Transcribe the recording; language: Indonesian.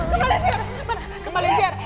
kembali tiara kembali tiara